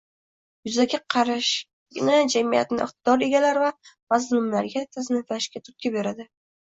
Yuzaki qarashgina jamiyatni - iqtidor egalari va mazlumlarga tasniflashga turtki beradi.